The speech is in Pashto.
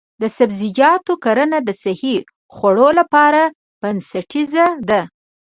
د سبزیجاتو کرنه د صحي خوړو لپاره بنسټیزه ده.